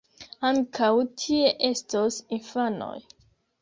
Ankaŭ tie estos infanoj.